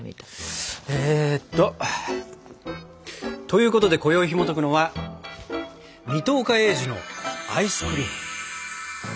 えっと。ということでこよいひもとくのは「水戸岡鋭治のアイスクリーム」。